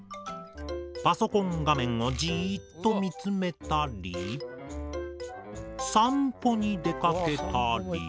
パソコン画面をじっと見つめたり散歩に出かけたり。